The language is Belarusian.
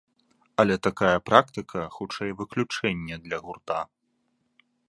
Але такая практыка, хутчэй, выключэнне для гурта.